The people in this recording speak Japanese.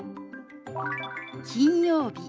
「金曜日」。